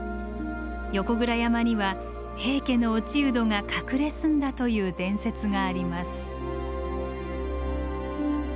横倉山には平家の落人が隠れ住んだという伝説があります。